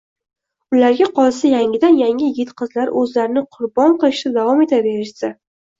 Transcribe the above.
Ularga qolsa yangidan-yangi yigit-qizlar o‘zlarini qurbon qilishda davom etaverishsa